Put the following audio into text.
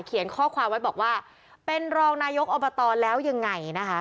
เขียนข้อความไว้บอกว่าเป็นรองนายกอบตแล้วยังไงนะคะ